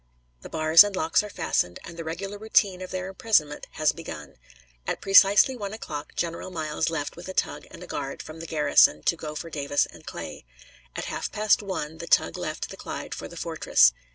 The bars and locks are fastened, and the regular routine of their imprisonment has begun. At precisely one o'clock General Miles left with a tug and a guard from the garrison to go for Davis and Clay. At half past one the tug left the Clyde for the fortress.